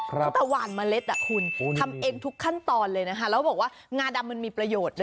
แต่หวานเมล็ดคุณทำเองทุกขั้นตอนเลยนะคะแล้วบอกว่างาดำมันมีประโยชน์นะ